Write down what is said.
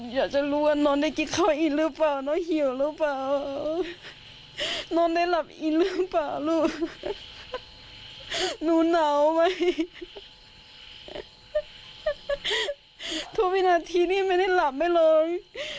อยากจะรู้ว่านอนได้กินข้าวอีกหรือเปล่าน้องเหี่ยวหรือเปล่านอนได้หลับอีหรือเปล่าลูกหนูหนาวไหมทุกวินาทีนี่ไม่ได้หลับได้เลย